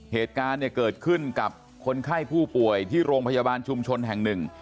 เหตุการณ์เนี่ยเกิดขึ้นกับคนไข้ผู้ป่วยที่โรงพยาบาลชุมชนแห่งหนึ่ง